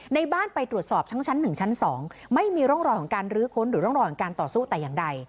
ในบ้านไปตรวจสอบทั้งชั้น๑ชั้น๒ไม่มีร่องรอยของการลื้อค้นหรือร่องรอยของการต่อสู้แต่อย่างใด